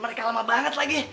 mereka lama banget lagi